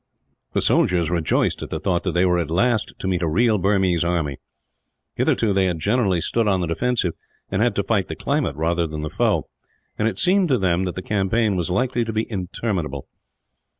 The soldiers rejoiced at the thought that they were at last to meet a real Burmese army. Hitherto they had generally stood on the defensive, and had to fight the climate rather than the foe; and it seemed to them that the campaign was likely to be interminable.